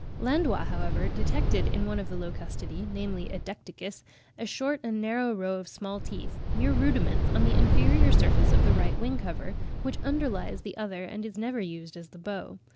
Landois, however, detected in one of the Locustidae, namely in Decticus, a short and narrow row of small teeth, mere rudiments, on the inferior surface of the right wing cover, which underlies the other and is never used as the bow.